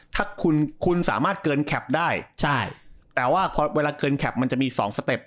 ถ้าคุณสามารถเกินแคปได้แต่ว่าเวลาเกินแคปมันจะมี๒สเต็ป